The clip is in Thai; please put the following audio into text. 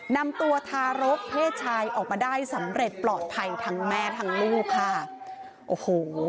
นำตัวทารกเพศชายออกมาได้สำเร็จปลอดภัยทั้งแม่ทั้งลูกค่ะโอ้โห